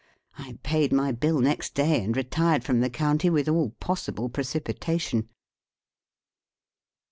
I paid my bill next day, and retired from the county with all possible precipitation.